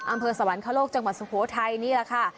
สวรรคโลกจังหวัดสุโขทัยนี่แหละค่ะ